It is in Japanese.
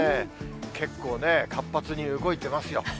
結構ね、活発に動いてますよ。